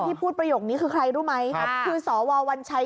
พูดประโยคนี้คือใครรู้ไหมครับคือสววัญชัย